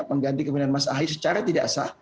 mengganti kebenaran mas ahi secara tidak sah